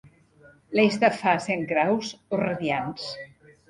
L'eix de fase en graus o radiants.